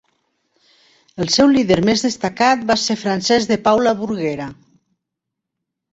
El seu líder més destacat va ser Francesc de Paula Burguera.